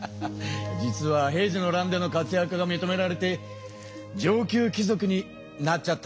実は平治の乱での活やくがみとめられて上級貴族になっちゃったんだもんね。